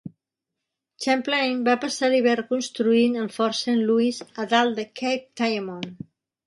Champlain va passar l'hivern construint el fort Saint-Louis a dalt de Cape Diamond.